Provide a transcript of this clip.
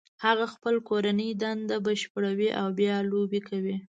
هغه خپل کورنۍ دنده بشپړوي او بیا لوبې کوي